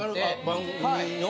番組の？